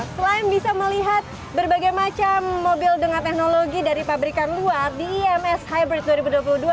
selain bisa melihat berbagai macam mobil dengan teknologi dari pabrikan luar di ims hybrid dua ribu dua puluh dua